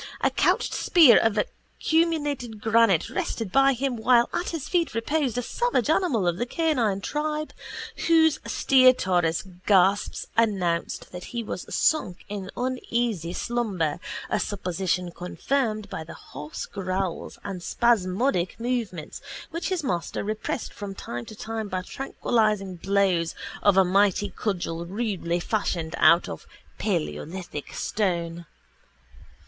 A couched spear of acuminated granite rested by him while at his feet reposed a savage animal of the canine tribe whose stertorous gasps announced that he was sunk in uneasy slumber, a supposition confirmed by hoarse growls and spasmodic movements which his master repressed from time to time by tranquilising blows of a mighty cudgel rudely fashioned out of paleolithic stone.